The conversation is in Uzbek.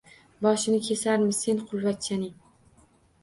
-Boshingni kesarmiz sen qulvachchaning!